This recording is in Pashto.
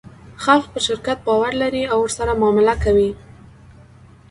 خلک په شرکت باور لري او ورسره معامله کوي.